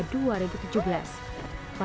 fani iman yer jakarta